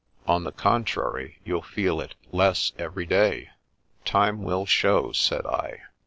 " On the contrary, you'll feel it less every day/' "Time will show," said I.